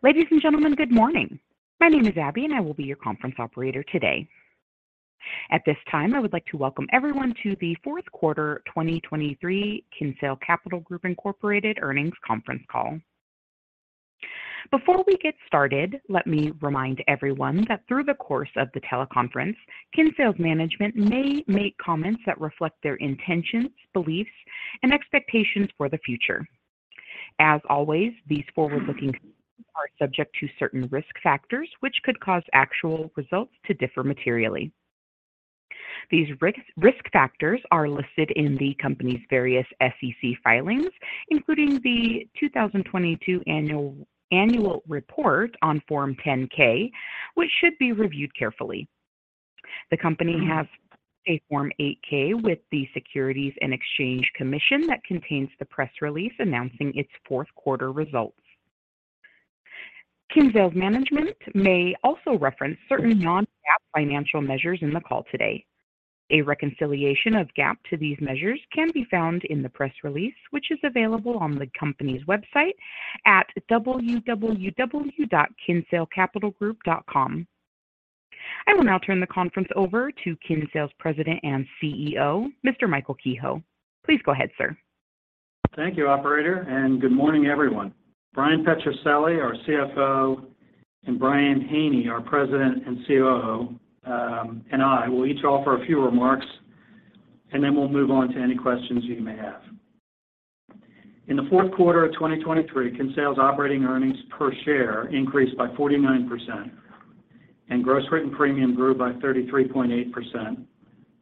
Ladies and gentlemen, good morning. My name is Abby, and I will be your conference operator today. At this time, I would like to welcome everyone to the fourth quarter 2023 Kinsale Capital Group, Inc. Earnings Conference Call. Before we get started, let me remind everyone that through the course of the teleconference, Kinsale's management may make comments that reflect their intentions, beliefs, and expectations for the future. As always, these forward-looking are subject to certain risk factors, which could cause actual results to differ materially. These risk factors are listed in the company's various SEC filings, including the 2022 annual report on Form 10-K, which should be reviewed carefully. The company has a Form 8-K with the Securities and Exchange Commission that contains the press release announcing its fourth quarter results. Kinsale's management may also reference certain non-GAAP financial measures in the call today. A reconciliation of GAAP to these measures can be found in the press release, which is available on the company's website at www.kinsalecapitalgroup.com. I will now turn the conference over to Kinsale's President and CEO, Mr. Michael Kehoe. Please go ahead, sir. Thank you, operator, and good morning, everyone. Bryan Petrucelli, our CFO, and Brian Haney, our President and COO, and I will each offer a few remarks, and then we'll move on to any questions you may have. In the fourth quarter of 2023, Kinsale's operating earnings per share increased by 49%, and gross written premium grew by 33.8%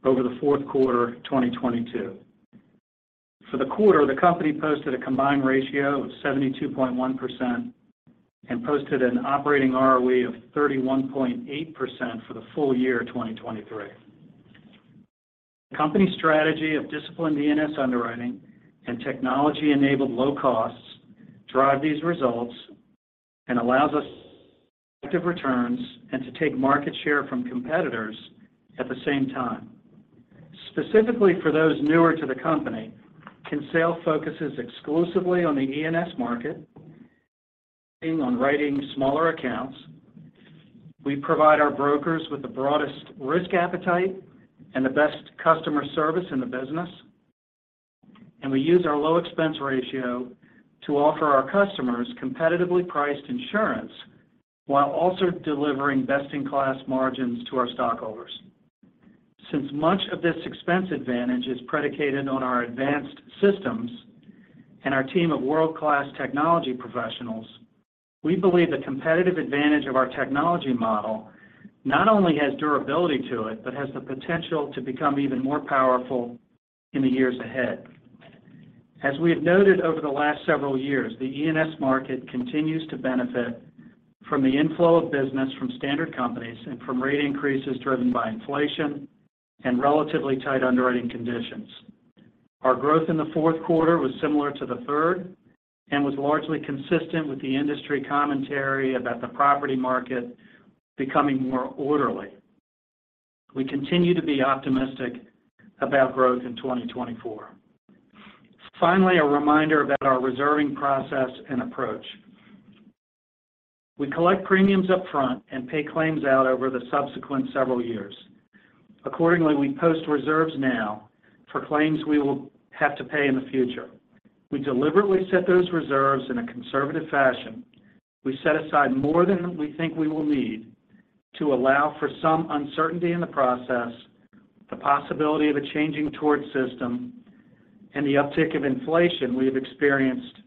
over the fourth quarter of 2022. For the quarter, the company posted a combined ratio of 72.1% and posted an operating ROE of 31.8% for the full year of 2023. The company's strategy of disciplined E&S underwriting and technology-enabled low costs drive these results and allows us active returns and to take market share from competitors at the same time. Specifically for those newer to the company, Kinsale focuses exclusively on the E&S market, on writing smaller accounts. We provide our brokers with the broadest risk appetite and the best customer service in the business, and we use our low expense ratio to offer our customers competitively priced insurance, while also delivering best-in-class margins to our stockholders. Since much of this expense advantage is predicated on our advanced systems and our team of world-class technology professionals, we believe the competitive advantage of our technology model not only has durability to it, but has the potential to become even more powerful in the years ahead. As we have noted over the last several years, the E&S market continues to benefit from the inflow of business from standard companies and from rate increases driven by inflation and relatively tight underwriting conditions. Our growth in the fourth quarter was similar to the third and was largely consistent with the industry commentary about the property market becoming more orderly. We continue to be optimistic about growth in 2024. Finally, a reminder about our reserving process and approach. We collect premiums upfront and pay claims out over the subsequent several years. Accordingly, we post reserves now for claims we will have to pay in the future. We deliberately set those reserves in a conservative fashion. We set aside more than we think we will need to allow for some uncertainty in the process, the possibility of a changing tort system, and the uptick of inflation we have experienced,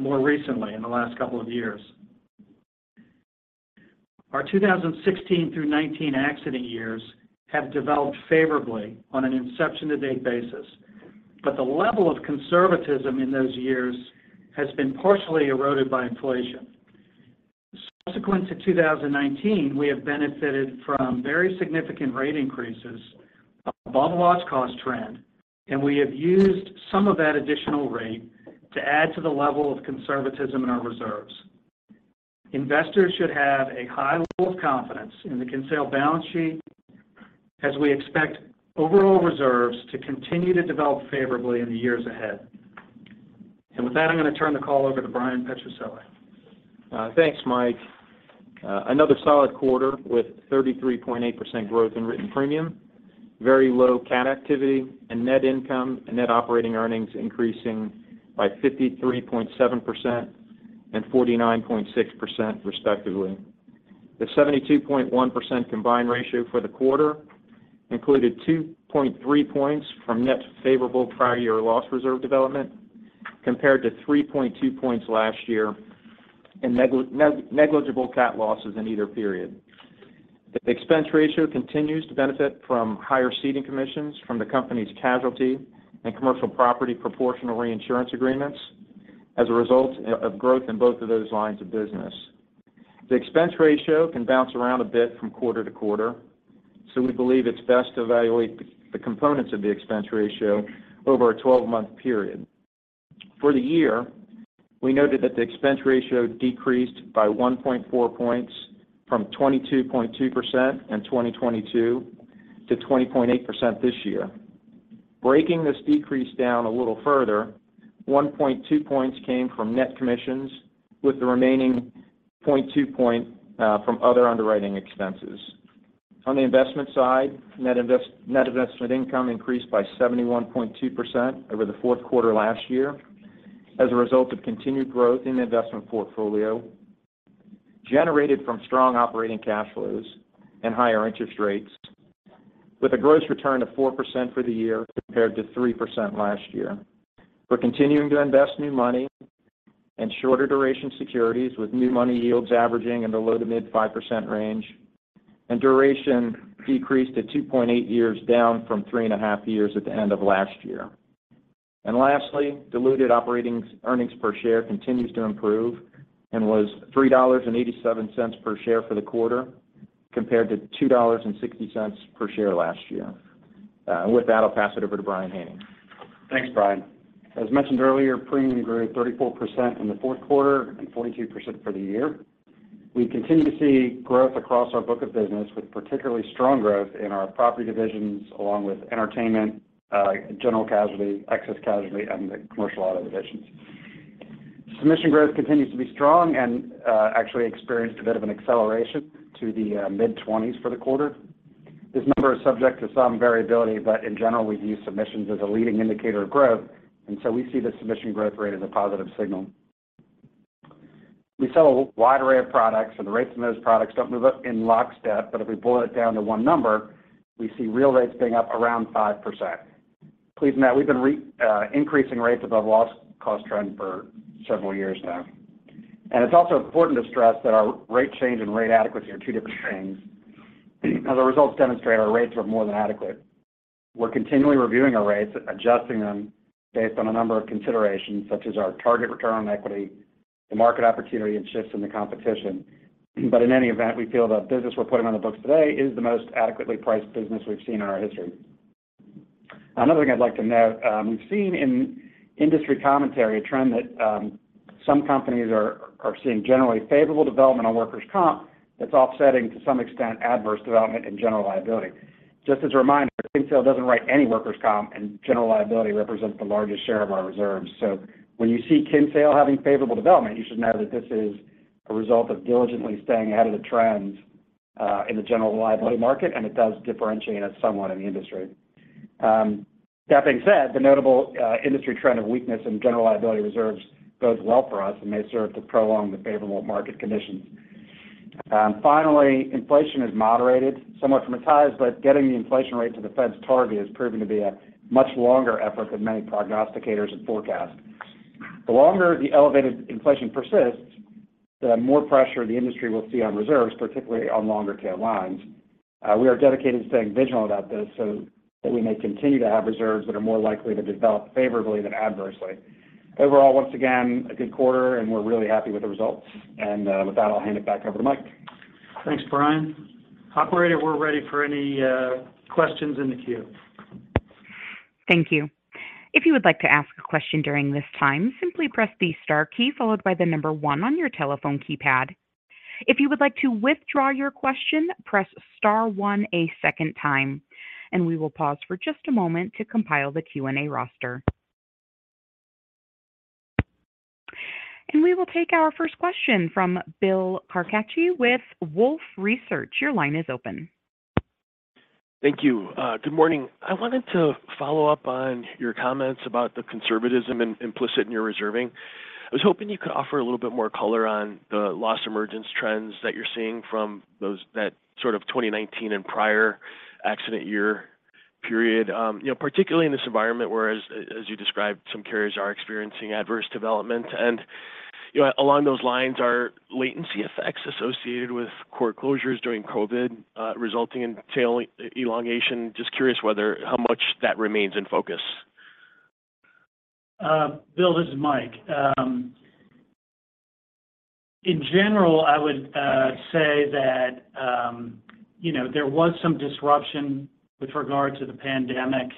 more recently in the last couple of years. Our 2016 through 2019 accident years have developed favorably on an inception-to-date basis, but the level of conservatism in those years has been partially eroded by inflation. Subsequent to 2019, we have benefited from very significant rate increases above the loss cost trend, and we have used some of that additional rate to add to the level of conservatism in our reserves. Investors should have a high level of confidence in the Kinsale balance sheet as we expect overall reserves to continue to develop favorably in the years ahead. With that, I'm going to turn the call over to Bryan Petrucelli. Thanks, Mike. Another solid quarter with 33.8% growth in written premium, very low cat activity and net income, and net operating earnings increasing by 53.7% and 49.6%, respectively. The 72.1% combined ratio for the quarter included 2.3 points from net favorable prior year loss reserve development, compared to 3.2 points last year, and negligible cat losses in either period. The expense ratio continues to benefit from higher ceding commissions from the company's casualty and commercial property proportional reinsurance agreements as a result of growth in both of those lines of business. The expense ratio can bounce around a bit from quarter to quarter, so we believe it's best to evaluate the components of the expense ratio over a 12-month period. For the year, we noted that the expense ratio decreased by 1.4 points from 22.2% in 2022 to 20.8% this year. Breaking this decrease down a little further, 1.2 points came from net commissions, with the remaining 0.2 point from other underwriting expenses. On the investment side, net investment income increased by 71.2% over the fourth quarter last year, as a result of continued growth in the investment portfolio, generated from strong operating cash flows and higher interest rates, with a gross return of 4% for the year, compared to 3% last year. We're continuing to invest new money in shorter duration securities, with new money yields averaging in the low- to mid-5% range, and duration decreased to 2.8 years, down from 3.5 years at the end of last year. And lastly, diluted operating earnings per share continues to improve and was $3.87 per share for the quarter, compared to $2.60 per share last year. With that, I'll pass it over to Brian Haney. Thanks, Brian. As mentioned earlier, premium grew 34% in the fourth quarter and 42% for the year. We continue to see growth across our book of business, with particularly strong growth in our property divisions, along with entertainment, general casualty, excess casualty, and the commercial auto divisions. Submission growth continues to be strong and actually experienced a bit of an acceleration to the mid-20s for the quarter. This number is subject to some variability, but in general, we view submissions as a leading indicator of growth, and so we see the submission growth rate as a positive signal. We sell a wide array of products, and the rates in those products don't move up in lockstep, but if we boil it down to one number, we see real rates being up around 5%. Please note, we've been increasing rates above loss cost trend for several years now. It's also important to stress that our rate change and rate adequacy are two different things. As our results demonstrate, our rates are more than adequate. We're continually reviewing our rates and adjusting them based on a number of considerations, such as our target return on equity, the market opportunity, and shifts in the competition. In any event, we feel the business we're putting on the books today is the most adequately priced business we've seen in our history. Another thing I'd like to note, we've seen in industry commentary, a trend that some companies are seeing generally favorable development on workers' comp that's offsetting, to some extent, adverse development and general liability. Just as a reminder, Kinsale doesn't write any workers' comp, and general liability represents the largest share of our reserves. So when you see Kinsale having favorable development, you should know that this is a result of diligently staying ahead of the trends in the general liability market, and it does differentiate us somewhat in the industry. That being said, the notable industry trend of weakness in general liability reserves bodes well for us and may serve to prolong the favorable market conditions. Finally, inflation has moderated somewhat from its highs, but getting the inflation rate to the Fed's target has proven to be a much longer effort than many prognosticators had forecast. The longer the elevated inflation persists, the more pressure the industry will see on reserves, particularly on longer tail lines. We are dedicated to staying vigilant about this so that we may continue to have reserves that are more likely to develop favorably than adversely. Overall, once again, a good quarter, and we're really happy with the results. With that, I'll hand it back over to Mike. Thanks, Brian. Operator, we're ready for any questions in the queue. Thank you. If you would like to ask a question during this time, simply press the star key, followed by the number one on your telephone keypad. If you would like to withdraw your question, press star one a second time, and we will pause for just a moment to compile the Q&A roster. We will take our first question from Bill Carcache with Wolfe Research. Your line is open. Thank you. Good morning. I wanted to follow up on your comments about the conservatism implicit in your reserving. I was hoping you could offer a little bit more color on the loss emergence trends that you're seeing from those, that sort of 2019 and prior accident year period. You know, particularly in this environment, where, as you described, some carriers are experiencing adverse development. And, you know, along those lines, are latency effects associated with court closures during COVID, resulting in tail elongation? Just curious whether, how much that remains in focus. Bill, this is Mike. In general, I would say that, you know, there was some disruption with regard to the pandemic.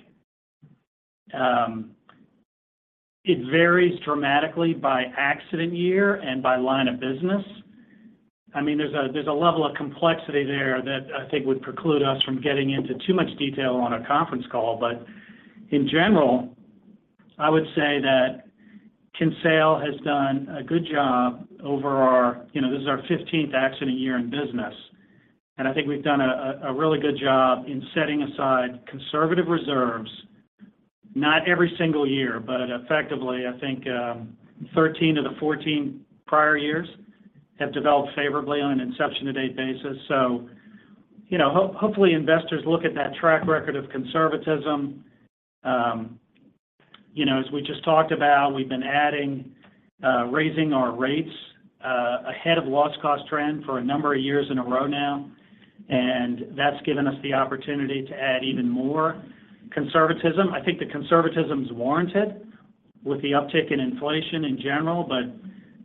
It varies dramatically by accident year and by line of business. I mean, there's a level of complexity there that I think would preclude us from getting into too much detail on a conference call. But in general, I would say that Kinsale has done a good job over our... You know, this is our fifteenth accident year in business, and I think we've done a really good job in setting aside conservative reserves, not every single year, but effectively, I think, 13 of the 14 prior years have developed favorably on an inception-to-date basis. So, you know, hopefully, investors look at that track record of conservatism. You know, as we just talked about, we've been adding, raising our rates ahead of loss cost trend for a number of years in a row now, and that's given us the opportunity to add even more conservatism. I think the conservatism is warranted with the uptick in inflation in general, but,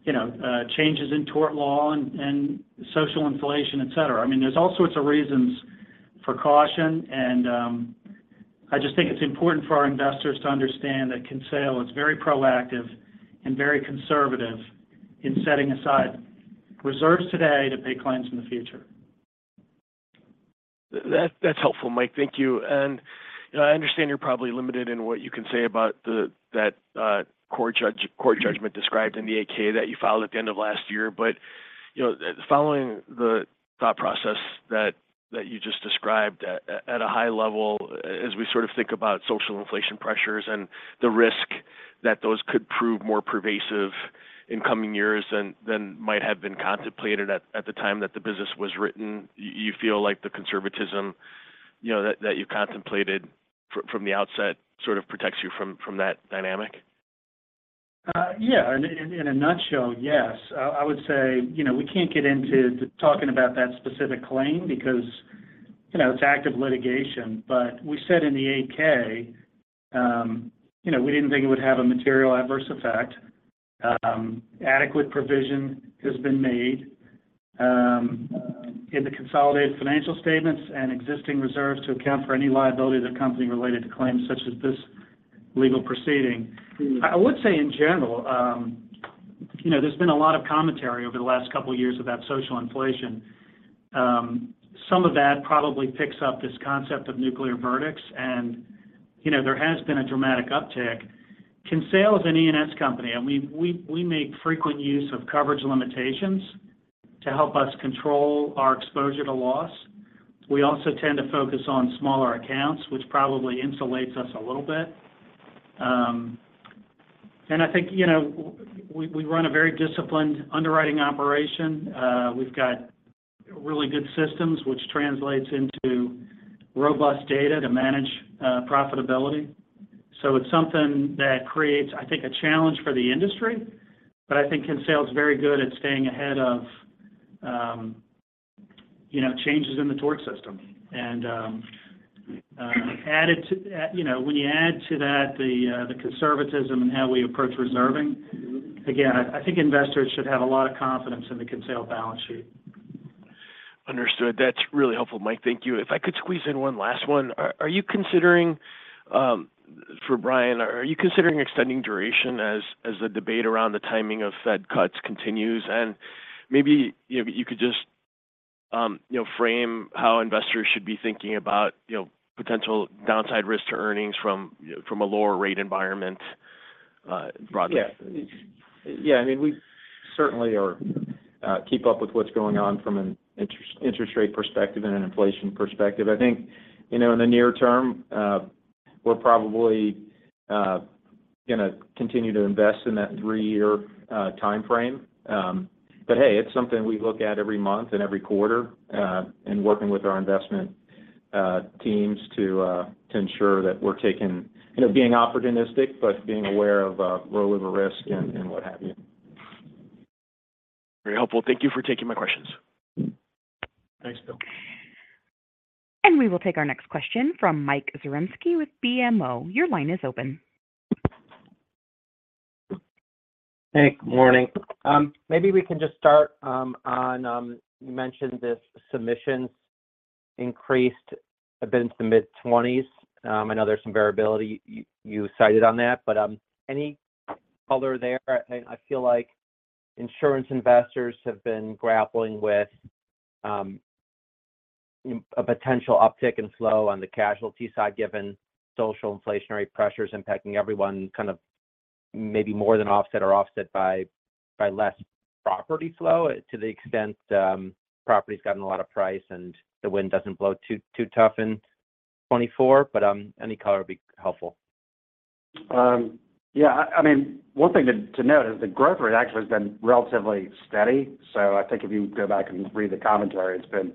you know, changes in tort law and, and social inflation, et cetera. I mean, there's all sorts of reasons for caution, and I just think it's important for our investors to understand that Kinsale is very proactive and very conservative in setting aside reserves today to pay claims in the future.... That, that's helpful, Mike. Thank you. And, you know, I understand you're probably limited in what you can say about the, that, court judgment described in the 8-K that you filed at the end of last year. But, you know, following the thought process that, that you just described at, at, at a high level, as we sort of think about social inflation pressures and the risk that those could prove more pervasive in coming years than, than might have been contemplated at, at the time that the business was written, you feel like the conservatism, you know, that, that you contemplated from the outset, sort of protects you from, from that dynamic? Yeah, in a nutshell, yes. I would say, you know, we can't get into talking about that specific claim because, you know, it's active litigation. But we said in the 8-K, you know, we didn't think it would have a material adverse effect. Adequate provision has been made in the consolidated financial statements and existing reserves to account for any liabilities that company related to claims, such as this legal proceeding. I would say in general, you know, there's been a lot of commentary over the last couple of years about social inflation. Some of that probably picks up this concept of nuclear verdicts, and, you know, there has been a dramatic uptick. Kinsale is an E&S company, and we make frequent use of coverage limitations to help us control our exposure to loss. We also tend to focus on smaller accounts, which probably insulates us a little bit. And I think, you know, we run a very disciplined underwriting operation. We've got really good systems, which translates into robust data to manage profitability. So it's something that creates, I think, a challenge for the industry, but I think Kinsale is very good at staying ahead of, you know, changes in the tort system. And added to that, you know, when you add to that the conservatism and how we approach reserving, again, I think investors should have a lot of confidence in the Kinsale balance sheet. Understood. That's really helpful, Mike. Thank you. If I could squeeze in one last one. Are you considering, for Bryan, extending duration as the debate around the timing of Fed cuts continues? And maybe, you know, you could just, you know, frame how investors should be thinking about, you know, potential downside risks to earnings from a lower rate environment, broadly? Yeah. Yeah, I mean, we certainly are keeping up with what's going on from an interest rate perspective and an inflation perspective. I think, you know, in the near term, we're probably gonna continue to invest in that three-year time frame. But hey, it's something we look at every month and every quarter in working with our investment teams to ensure that we're taking... You know, being opportunistic, but being aware of roll over risk and what have you. Very helpful. Thank you for taking my questions. Thanks, Bill. We will take our next question from Mike Zaremski with BMO. Your line is open. Hey, good morning. Maybe we can just start on you mentioned the submissions increased a bit into the mid-20s percent. I know there's some variability you cited on that, but any color there? I feel like insurance investors have been grappling with a potential uptick in flow on the casualty side, given social inflationary pressures impacting everyone, kind of maybe more than offset or offset by, by less property flow, to the extent property's gotten a lot of price and the wind doesn't blow too, too tough in 2024. But any color would be helpful. Yeah, I mean, one thing to note is the growth rate actually has been relatively steady. So I think if you go back and read the commentary, it's been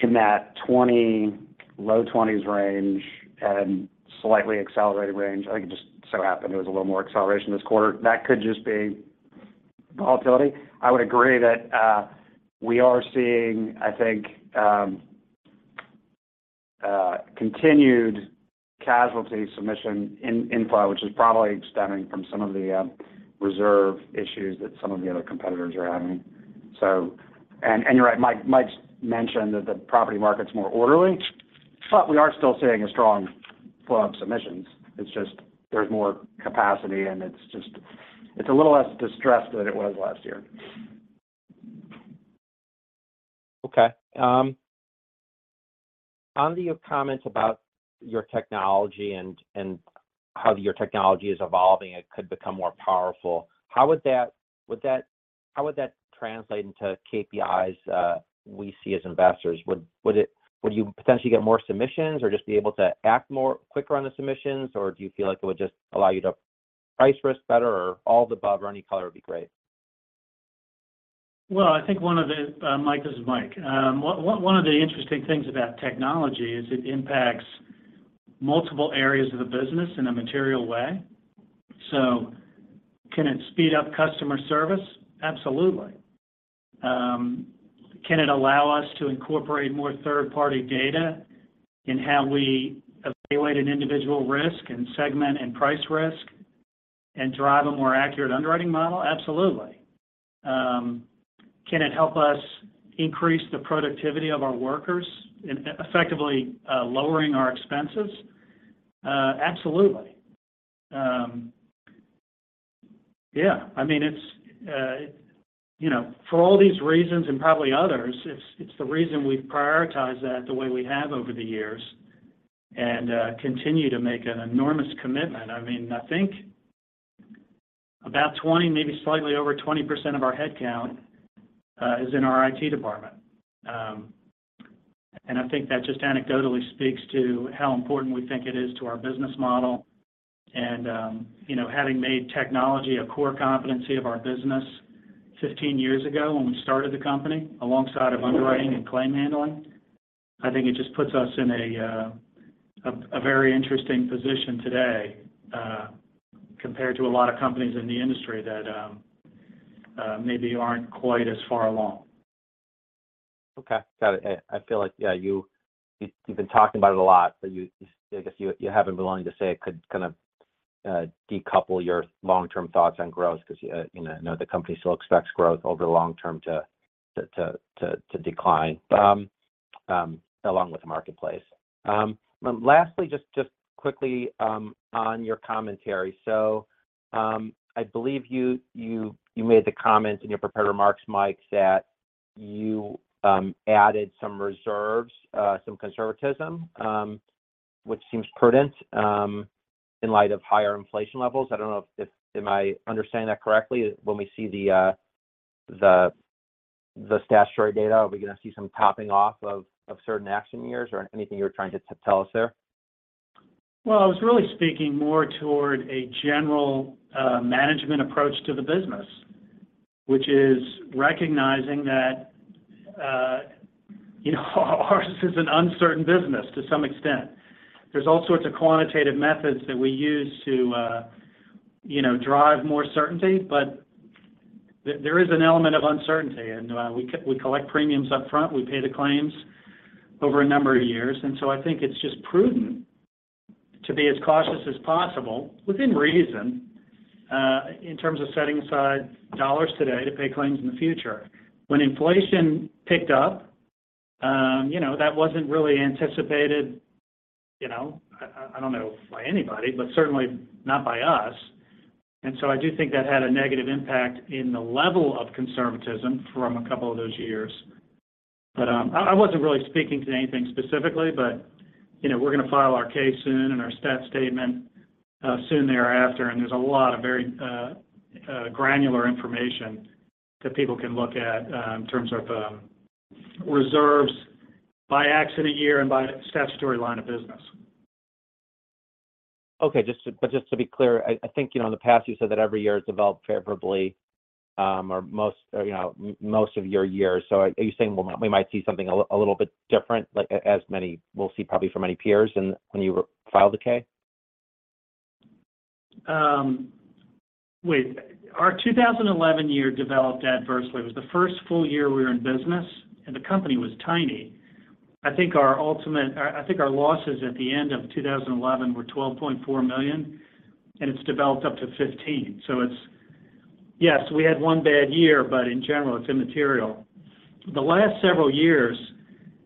in that 20%, low 20s percent range and slightly accelerated range. I think it just so happened there was a little more acceleration this quarter. That could just be volatility. I would agree that we are seeing, I think, continued casualty submission inflow, which is probably stemming from some of the reserve issues that some of the other competitors are having. So... And you're right, Mike, Mike's mentioned that the property market's more orderly, but we are still seeing a strong flow of submissions. It's just there's more capacity, and it's just, it's a little less distressed than it was last year. Okay. Onto your comments about your technology and how your technology is evolving, it could become more powerful. How would that translate into KPIs we see as investors? Would it – would you potentially get more submissions or just be able to act more quicker on the submissions? Or do you feel like it would just allow you to price risk better or all the above, or any color would be great. Well, I think one of the interesting things about technology is it impacts multiple areas of the business in a material way. So can it speed up customer service? Absolutely. Can it allow us to incorporate more third-party data in how we evaluate an individual risk and segment and price risk and drive a more accurate underwriting model? Absolutely. Yeah, I mean, it's, you know, for all these reasons and probably others, it's the reason we've prioritized that the way we have over the years and continue to make an enormous commitment. I mean, I think about 20%, maybe slightly over 20% of our headcount is in our IT department. I think that just anecdotally speaks to how important we think it is to our business model. You know, having made technology a core competency of our business 15 years ago when we started the company, alongside of underwriting and claim handling, I think it just puts us in a very interesting position today, compared to a lot of companies in the industry that maybe aren't quite as far along. Okay, got it. I feel like, yeah, you've been talking about it a lot, but I guess you haven't been willing to say it could kind of decouple your long-term thoughts on growth 'cause you know, I know the company still expects growth over the long term to decline along with the marketplace. Lastly, just quickly, on your commentary: so I believe you made the comment in your prepared remarks, Mike, that you added some reserves, some conservatism, which seems prudent, in light of higher inflation levels. I don't know if Am I understanding that correctly? When we see the statutory data, are we going to see some topping off of certain accident years or anything you were trying to tell us there? Well, I was really speaking more toward a general management approach to the business, which is recognizing that, you know, ours is an uncertain business to some extent. There's all sorts of quantitative methods that we use to, you know, drive more certainty, but there, there is an element of uncertainty, and we collect premiums upfront, we pay the claims over a number of years. And so I think it's just prudent to be as cautious as possible, within reason, in terms of setting aside dollars today to pay claims in the future. When inflation picked up, you know, that wasn't really anticipated, you know, I, I don't know, by anybody, but certainly not by us. And so I do think that had a negative impact in the level of conservatism from a couple of those years. I wasn't really speaking to anything specifically, but, you know, we're going to file our 8-K soon and our stat statement soon thereafter, and there's a lot of very granular information that people can look at in terms of reserves by accident year and by statutory line of business. Okay, just to be clear, I think, you know, in the past, you said that every year it's developed favorably, or most, you know, most of your years. So are you saying we might see something a little bit different, like as many we'll see probably for many peers when you file the 8-K? Wait. Our 2011 year developed adversely. It was the first full year we were in business, and the company was tiny. I think our ultimate... I think our losses at the end of 2011 were $12.4 million, and it's developed up to $15 million. So it's. Yes, we had one bad year, but in general, it's immaterial. The last several years,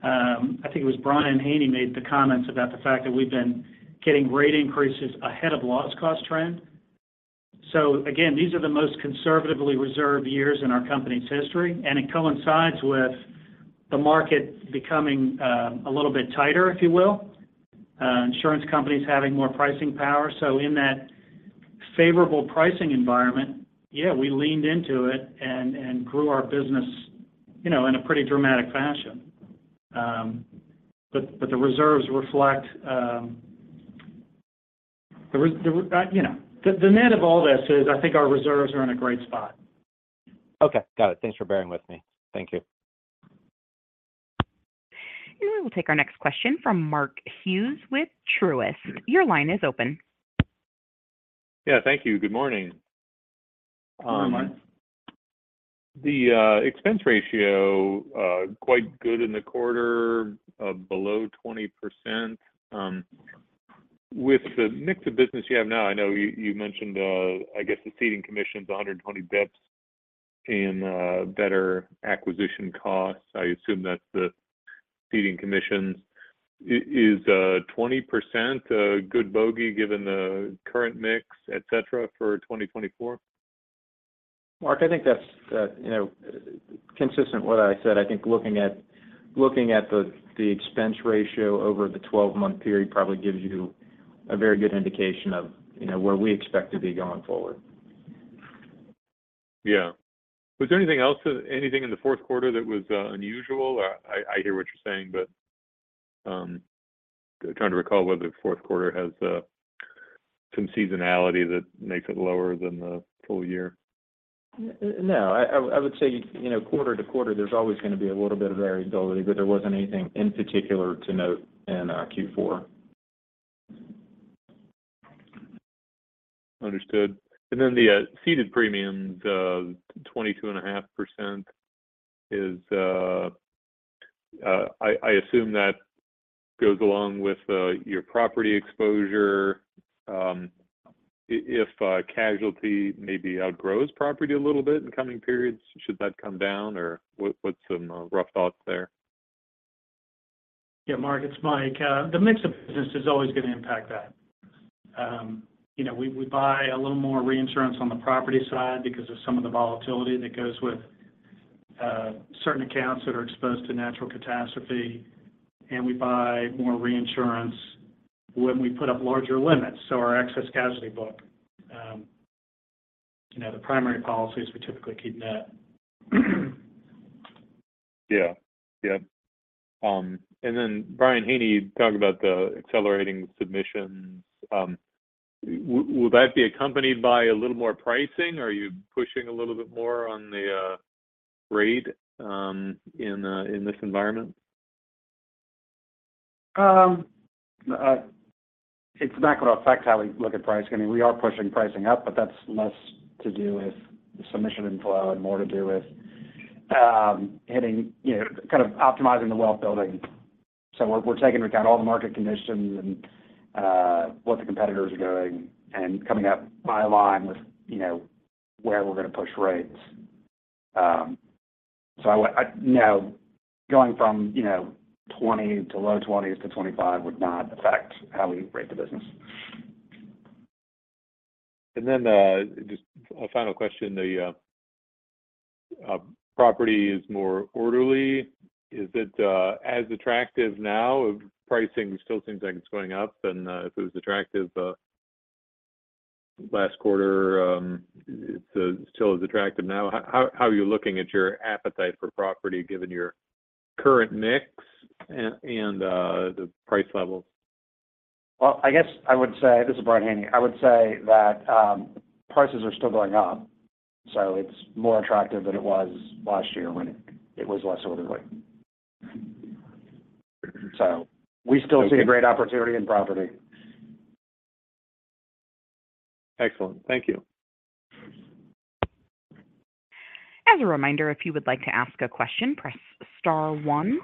I think it was Brian Haney made the comments about the fact that we've been getting rate increases ahead of loss cost trend. So again, these are the most conservatively reserved years in our company's history, and it coincides with the market becoming a little bit tighter, if you will, insurance companies having more pricing power. So in that favorable pricing environment, yeah, we leaned into it and grew our business, you know, in a pretty dramatic fashion. But the reserves reflect. You know, the net of all this is, I think our reserves are in a great spot. Okay, got it. Thanks for bearing with me. Thank you. We will take our next question from Mark Hughes with Truist. Your line is open. Yeah, thank you. Good morning, Good morning, Mark. The expense ratio quite good in the quarter below 20%. With the mix of business you have now, I know you you mentioned, I guess, the ceding commission is 120 basis points and better acquisition costs. I assume that's the ceding commissions. Is 20% a good bogey, given the current mix, et cetera, for 2024? Mark, I think that's, you know, consistent with what I said. I think looking at the expense ratio over the 12-month period probably gives you a very good indication of, you know, where we expect to be going forward. Yeah. Was there anything else, anything in the fourth quarter that was unusual? I hear what you're saying, but trying to recall whether the fourth quarter has some seasonality that makes it lower than the full year. No, I would say, you know, quarter to quarter, there's always going to be a little bit of variability, but there wasn't anything in particular to note in Q4. Understood. Then the ceded premiums, 22.5% is... I assume that goes along with your property exposure. If casualty maybe outgrows property a little bit in coming periods, should that come down, or what, what's some rough thoughts there?... Yeah, Mark, it's Mike. The mix of business is always going to impact that. You know, we buy a little more reinsurance on the property side because of some of the volatility that goes with certain accounts that are exposed to natural catastrophe, and we buy more reinsurance when we put up larger limits, so our excess casualty book. You know, the primary policies, we typically keep net. Yeah. Yeah. And then Brian Haney, you talked about the accelerating submissions. Would that be accompanied by a little more pricing? Are you pushing a little bit more on the rate in this environment? It's not going to affect how we look at pricing. I mean, we are pushing pricing up, but that's less to do with the submission inflow and more to do with hitting, you know, kind of optimizing the wealth building. So we're, we're taking into account all the market conditions and what the competitors are doing and coming up by line with, you know, where we're going to push rates. So no, going from, you know, 20 to low 20s to 25 would not affect how we rate the business. And then, just a final question, the property is more orderly. Is it as attractive now? Pricing still seems like it's going up, and if it was attractive last quarter, it's still as attractive now. How are you looking at your appetite for property, given your current mix and the price level? Well, I guess I would say... This is Brian Haney. I would say that, prices are still going up, so it's more attractive than it was last year when it, it was less orderly. So- Okay. We still see a great opportunity in property. Excellent. Thank you. As a reminder, if you would like to ask a question, press star one.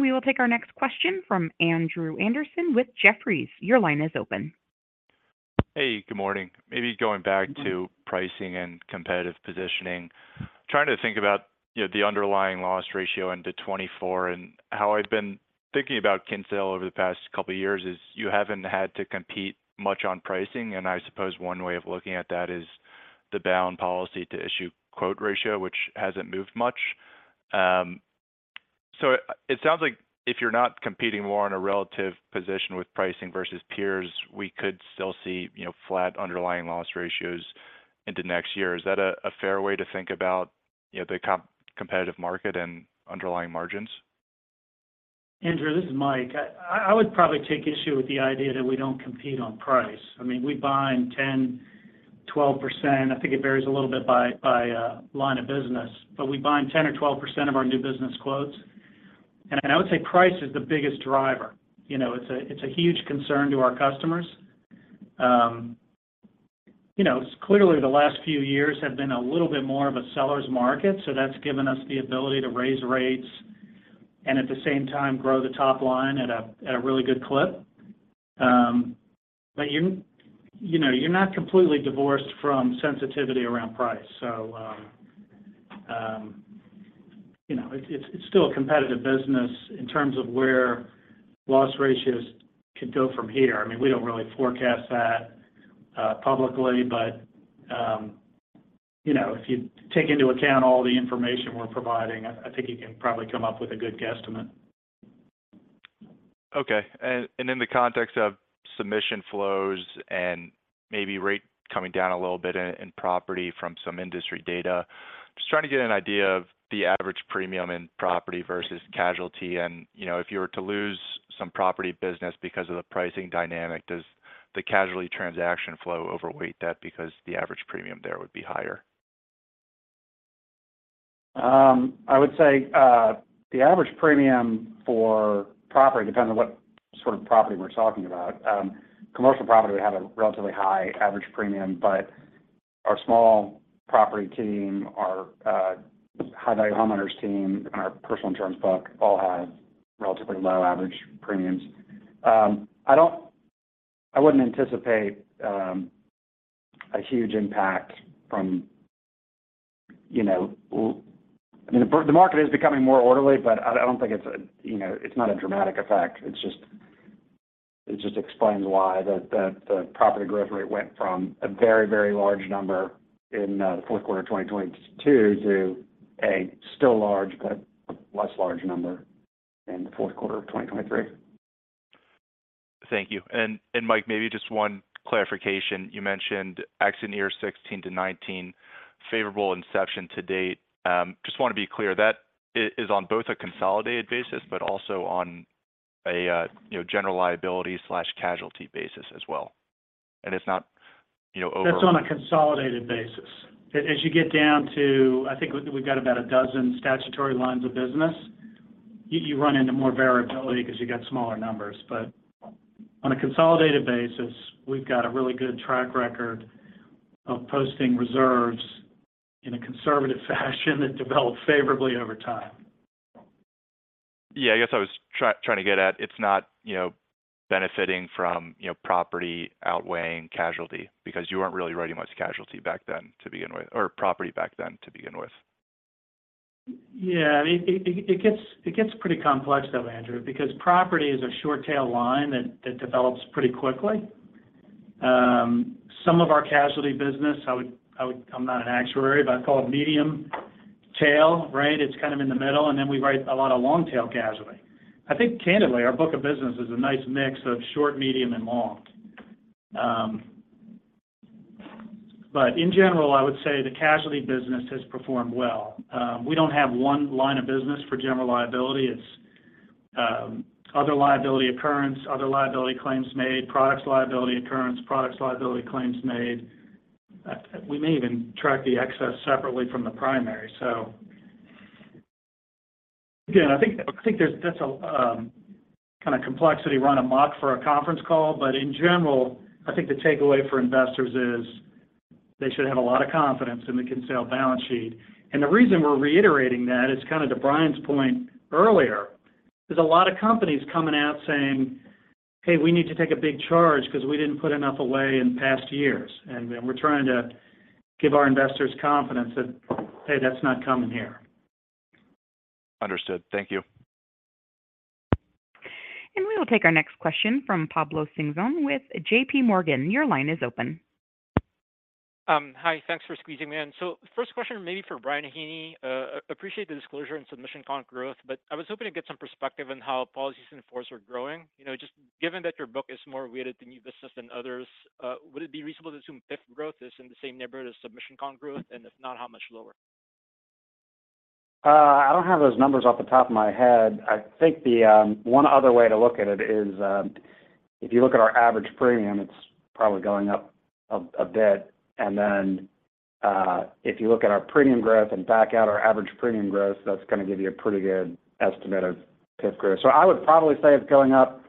We will take our next question from Andrew Andersen with Jefferies. Your line is open. Hey, good morning. Maybe going back to- Mm-hmm. -pricing and competitive positioning. Trying to think about, you know, the underlying loss ratio into 2024, and how I've been thinking about Kinsale over the past couple of years is, you haven't had to compete much on pricing, and I suppose one way of looking at that is the bound policy to issue quote ratio, which hasn't moved much. So it sounds like if you're not competing more on a relative position with pricing versus peers, we could still see, you know, flat underlying loss ratios into next year. Is that a fair way to think about, you know, the competitive market and underlying margins? Andrew, this is Mike. I would probably take issue with the idea that we don't compete on price. I mean, we bind 10-12%. I think it varies a little bit by line of business, but we bind 10%-12% of our new business quotes. And I would say price is the biggest driver. You know, it's a huge concern to our customers. You know, clearly, the last few years have been a little bit more of a seller's market, so that's given us the ability to raise rates and at the same time, grow the top line at a really good clip. But you know, you're not completely divorced from sensitivity around price. So you know, it's still a competitive business in terms of where loss ratios could go from here. I mean, we don't really forecast that publicly, but you know, if you take into account all the information we're providing, I, I think you can probably come up with a good guesstimate. Okay. And in the context of submission flows and maybe rate coming down a little bit in property from some industry data, just trying to get an idea of the average premium in property versus casualty. And, you know, if you were to lose some property business because of the pricing dynamic, does the casualty transaction flow overweight that because the average premium there would be higher? I would say, the average premium for property depends on what sort of property we're talking about. Commercial property would have a relatively high average premium, but our small property team, our high value homeowners team, and our personal insurance book all have relatively low average premiums. I don't- I wouldn't anticipate a huge impact from, you know... I mean, the market is becoming more orderly, but I don't think it's a, you know, it's not a dramatic effect. It's just, it just explains why the property growth rate went from a very, very large number in the fourth quarter of 2022 to a still large, but less large number in the fourth quarter of 2023. Thank you. And Mike, maybe just one clarification. You mentioned accident year 2016-2-19, favorable inception to date. Just want to be clear, that is on both a consolidated basis, but also on a, you know, general liability/casualty basis as well. And it's not, you know, over- That's on a consolidated basis. As you get down to, I think we've got about a dozen statutory lines of business, you run into more variability because you get smaller numbers. But on a consolidated basis, we've got a really good track record of posting reserves in a conservative fashion that develops favorably over time. Yeah, I guess I was trying to get at, it's not, you know, a-... benefiting from, you know, property outweighing casualty, because you weren't really writing much casualty back then to begin with, or property back then to begin with? Yeah, I mean, it gets pretty complex though, Andrew, because property is a short tail line that develops pretty quickly. Some of our casualty business, I would – I'm not an actuary, but I'd call it medium tail, right? It's kind of in the middle, and then we write a lot of long tail casualty. I think candidly, our book of business is a nice mix of short, medium, and long. But in general, I would say the casualty business has performed well. We don't have one line of business for general liability. It's other liability occurrence, other liability claims made, products liability occurrence, products liability claims made. We may even track the excess separately from the primary. So again, I think that's a kind of complexity run amok for a conference call. In general, I think the takeaway for investors is they should have a lot of confidence in the Kinsale balance sheet. The reason we're reiterating that is kind of to Brian's point earlier, there's a lot of companies coming out saying, "Hey, we need to take a big charge 'cause we didn't put enough away in past years." We're trying to give our investors confidence that, hey, that's not coming here. Understood. Thank you. We will take our next question from Pablo Singzon with JP Morgan. Your line is open. Hi. Thanks for squeezing me in. So first question maybe for Brian Haney. Appreciate the disclosure and submission comp growth, but I was hoping to get some perspective on how policies in force are growing. You know, just given that your book is more weighted to new business than others, would it be reasonable to assume PIF growth is in the same neighborhood as submission comp growth? And if not, how much lower? I don't have those numbers off the top of my head. I think the one other way to look at it is, if you look at our average premium, it's probably going up a bit. And then, if you look at our premium growth and back out our average premium growth, that's going to give you a pretty good estimate of PIF growth. So I would probably say it's going up.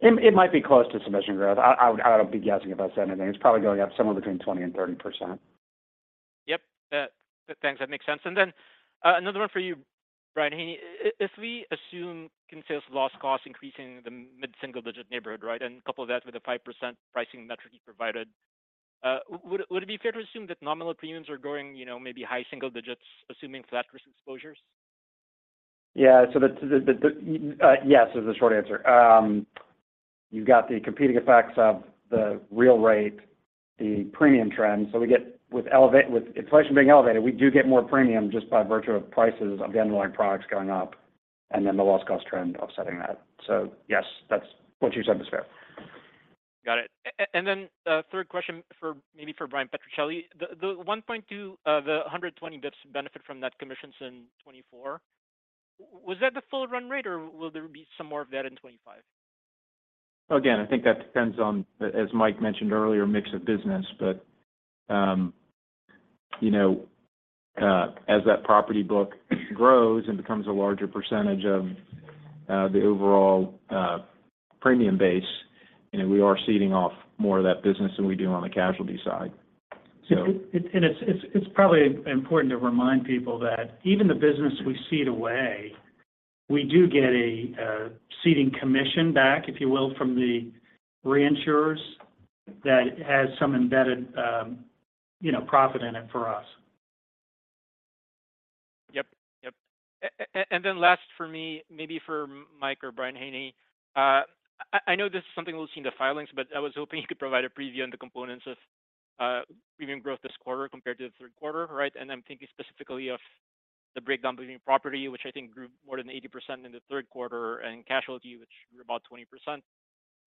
It might be close to submission growth. I don't be guessing about that today. It's probably going up somewhere between 20% and 30%. Yep. Thanks. That makes sense. And then, another one for you, Brian Haney. If we assume Kinsale's loss cost increasing in the mid-single-digit neighborhood, right? And couple that with a 5% pricing metric you provided, would it be fair to assume that nominal premiums are growing, you know, maybe high single digits, assuming flat risk exposures? Yeah. So yes is the short answer. You've got the competing effects of the real rate, the premium trend. So we get with inflation being elevated, we do get more premium just by virtue of prices of the underlying products going up, and then the loss cost trend offsetting that. So yes, that's what you said is fair. Got it. And then, third question for, maybe for Bryan Petrucelli. The 1.2, the 120 basis benefit from net commissions in 2024, was that the full run rate, or will there be some more of that in 2025? Again, I think that depends on, as Mike mentioned earlier, mix of business. But, you know, as that property book grows and becomes a larger percentage of the overall premium base, you know, we are ceding off more of that business than we do on the casualty side. So- It's probably important to remind people that even the business we cede away, we do get a ceding commission back, if you will, from the reinsurers that has some embedded, you know, profit in it for us. Yep. Yep. And then last for me, maybe for Mike or Brian Haney. I know this is something we'll see in the filings, but I was hoping you could provide a preview on the components of premium growth this quarter compared to the third quarter, right? And I'm thinking specifically of the breakdown between property, which I think grew more than 80% in the third quarter, and casualty, which grew about 20%.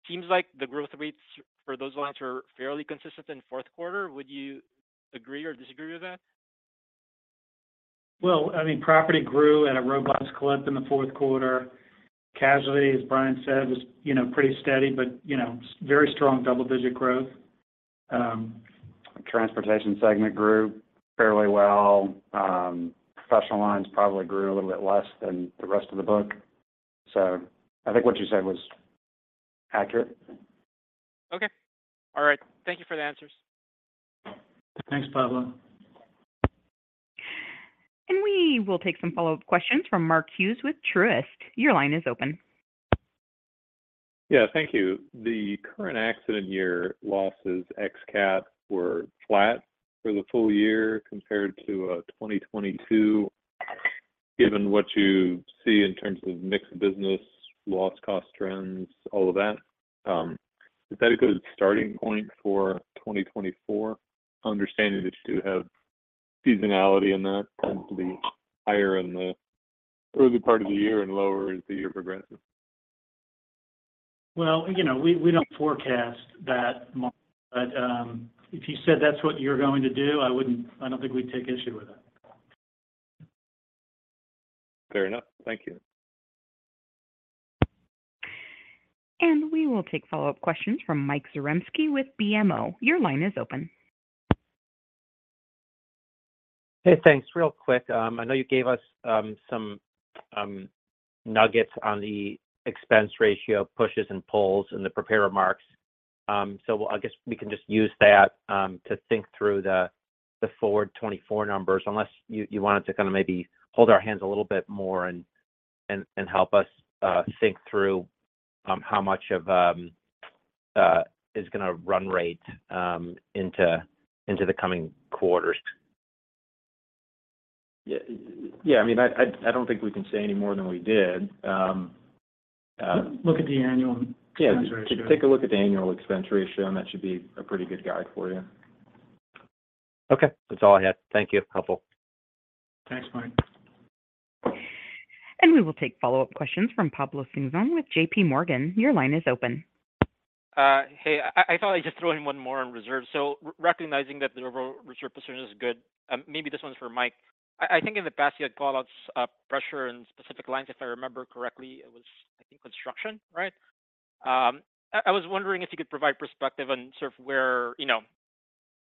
Seems like the growth rates for those lines are fairly consistent in the fourth quarter. Would you agree or disagree with that? Well, I mean, property grew at a robust clip in the fourth quarter. Casualty, as Brian said, was, you know, pretty steady, but, you know, very strong double-digit growth. Transportation segment grew fairly well. Professional lines probably grew a little bit less than the rest of the book. So I think what you said was accurate. Okay. All right. Thank you for the answers. Thanks, Pablo. We will take some follow-up questions from Mark Hughes with Truist. Your line is open. Yeah, thank you. The current accident year losses, ex cat, were flat for the full year compared to 2022. Given what you see in terms of mix of business, loss cost trends, all of that, is that a good starting point for 2024? Understanding that you do have seasonality in that, tends to be higher in the early part of the year and lower as the year progresses. Well, you know, we don't forecast that, Mark, but if you said that's what you're going to do, I wouldn't, I don't think we'd take issue with that. Fair enough. Thank you. We will take follow-up questions from Mike Zaremski with BMO. Your line is open. Hey, thanks. Real quick, I know you gave us some nuggets on the expense ratio, pushes and pulls in the prepared remarks.... So I guess we can just use that to think through the forward 24 numbers, unless you wanted to kind of maybe hold our hands a little bit more and help us think through how much of is going to run rate into the coming quarters. Yeah, yeah. I mean, I don't think we can say any more than we did. Look at the annual expense ratio. Yeah, take a look at the annual expense ratio, and that should be a pretty good guide for you. Okay. That's all I had. Thank you. Helpful. Thanks, Mike. We will take follow-up questions from Pablo Singzon with JP Morgan. Your line is open. Hey, I thought I'd just throw in one more on reserve. So recognizing that the overall reserve position is good, maybe this one's for Mike. I think in the past you had called out pressure in specific lines. If I remember correctly, it was, I think, construction, right? I was wondering if you could provide perspective on sort of where, you know,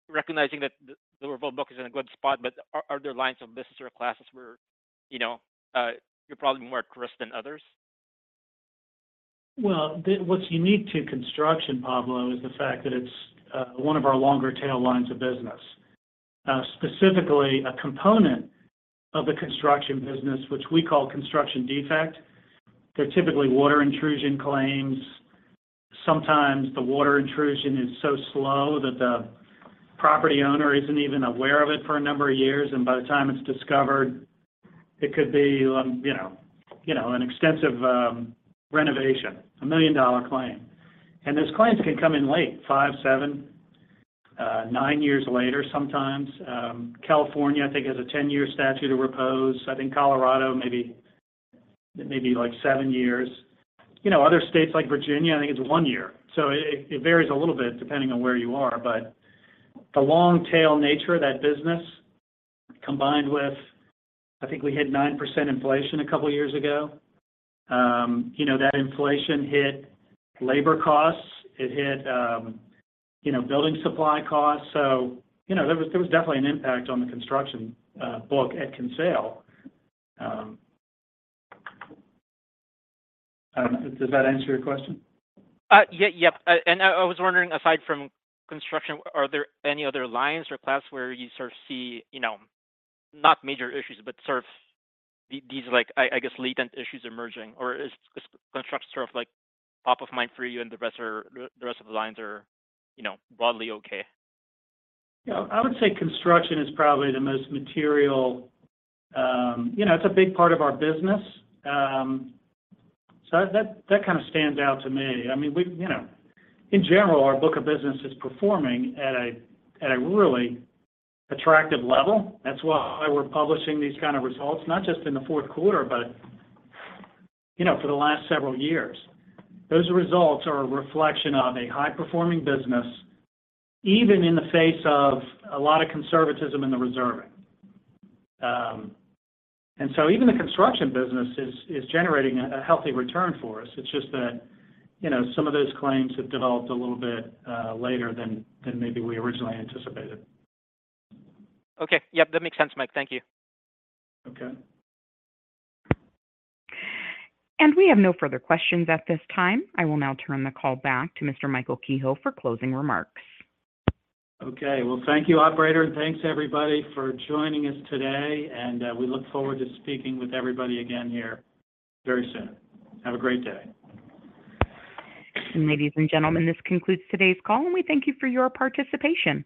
recognizing that the overall book is in a good spot, but are there lines of business or classes where, you know, you're probably more at risk than others? Well, what's unique to construction, Pablo, is the fact that it's one of our longer tail lines of business. Specifically, a component of the construction business, which we call construction defect. They're typically water intrusion claims. Sometimes the water intrusion is so slow that the property owner isn't even aware of it for a number of years, and by the time it's discovered, it could be, you know, you know, an extensive renovation, a million-dollar claim. And those claims can come in late, five, seven, nine years later, sometimes. California, I think, has a 10-year statute of repose. I think Colorado, maybe, it may be like seven years. You know, other states like Virginia, I think it's one year. So it varies a little bit depending on where you are, but the long tail nature of that business, combined with, I think we hit 9% inflation a couple of years ago, you know, that inflation hit labor costs, it hit, you know, building supply costs. So, you know, there was, there was definitely an impact on the construction book at Kinsale. Does that answer your question? Yeah, yep. And I was wondering, aside from construction, are there any other lines or class where you sort of see, you know, not major issues, but sort of these, like, I guess, latent issues emerging? Or is construction sort of, like, top of mind for you and the rest of the lines are, you know, broadly okay? Yeah. I would say construction is probably the most material. You know, it's a big part of our business. So that kind of stands out to me. I mean, we, you know... In general, our book of business is performing at a really attractive level. That's why we're publishing these kind of results, not just in the fourth quarter, but, you know, for the last several years. Those results are a reflection of a high-performing business, even in the face of a lot of conservatism in the reserving. And so even the construction business is generating a healthy return for us. It's just that, you know, some of those claims have developed a little bit later than maybe we originally anticipated. Okay. Yep, that makes sense, Mike. Thank you. Okay. We have no further questions at this time. I will now turn the call back to Mr. Michael Kehoe for closing remarks. Okay. Well, thank you, operator, and thanks, everybody, for joining us today, and we look forward to speaking with everybody again here very soon. Have a great day. Ladies and gentlemen, this concludes today's call, and we thank you for your participation.